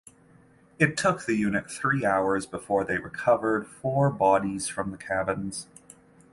It took the unit three hours before they recovered four bodies from the cabins.